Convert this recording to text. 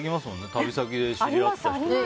旅先で知り合った人とって。